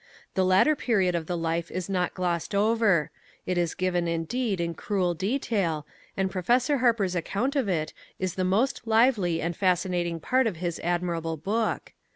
The later period of the life is not glossed over; it is given, indeed, in cruel detail, and Professor Harper's account of it is the most lively and fascinating part of his admirable book.